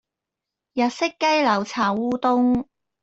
日式雞柳炒烏冬